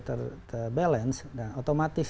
terbalance dan otomatis